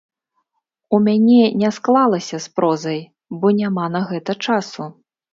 У мяне не склалася з прозай, бо няма на гэта часу.